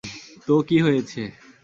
তো কী হয়েছে!